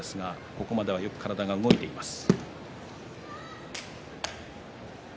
ここまでよく体が動いています。